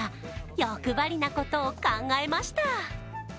欲張りなことを考えました。